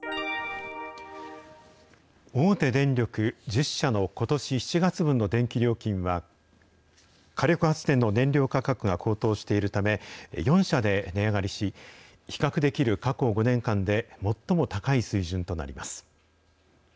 大手電力１０社のことし７月分の電気料金は、火力発電の燃料価格が高騰しているため、４社で値上がりし、比較できる過去５年間で最も高い水準となります。